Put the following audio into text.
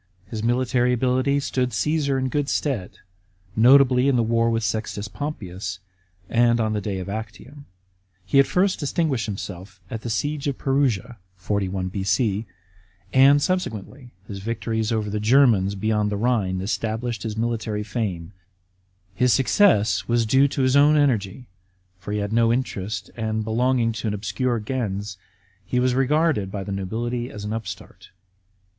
His military ability stood Caasar in good stead, notably in the war with Sextus Pompeius, and on the day of Actium. He had first distinguished himself at the siege of Perusia * Thurinus is said to have been given him as a cognomen. 31 27 B.C. AGB1PPA AND MAECENAS. & (41 B.C), and, subsequently, his victories over the Germans beyond the Rhine established his military fame. His success was due to his own energy, for he had no interest, and, belonging to an obscure gens, he was regarded by the nobility as an upstart.